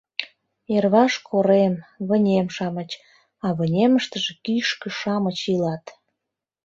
Йырваш корем, вынем-шамыч, а вынемыштыже кишке-шамыч илат.